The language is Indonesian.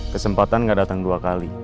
kesempatan gak datang dua kali